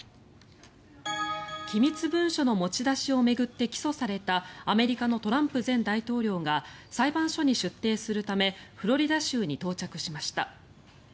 機密文書の持ち出しを巡って起訴されたアメリカのトランプ前大統領が裁判所に出廷するためフロリダ州に到着しました。